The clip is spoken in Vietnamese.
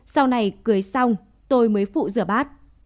sau này cưới xong tôi mới phụ rửa bát